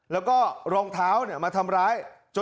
แล้วก็รองเท้ามาทำร้าย